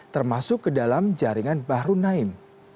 termasuk ke dalam jaringan bahru naim